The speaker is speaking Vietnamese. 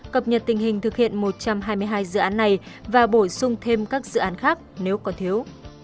cập nhật tình hình thực hiện một trăm hai mươi hai dự án này và bổ sung thêm các dự án khác nếu còn thiếu